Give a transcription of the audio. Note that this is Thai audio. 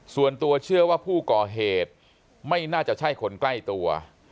ส่วนตัวเชื่อว่าผู้ก่อเหตุไม่น่าจะใช่คนใกล้ตัว